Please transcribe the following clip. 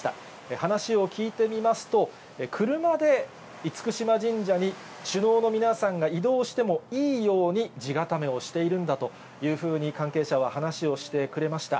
話を聞いてみますと、車で厳島神社に首脳の皆さんが移動してもいいように、じがためをしているんだというふうに関係者は話をしてくれました。